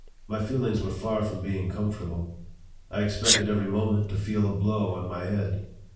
My feelings were far from being comfortable; I expected every moment to feel a blow on my head.